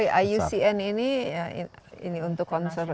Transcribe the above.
iucn ini untuk